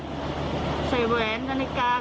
เพราะเราทำไปแล้วมันเสียนะเพราะว่าอาหารเราทำสุดพอ